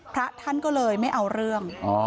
พระท่านก็เลยไม่เอาเรื่อง